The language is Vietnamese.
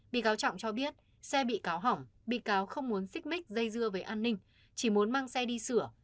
bị cáo trọng cho biết xe bị cáo hỏng bị cáo không muốn xích mích dây dưa về an ninh chỉ muốn mang xe đi sửa